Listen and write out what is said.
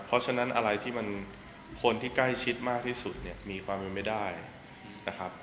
เพราะฉะนั้นอะไรที่มันคนที่ใกล้ชิดมากที่สุดเนี่ยมีความเป็นไม่ได้นะครับ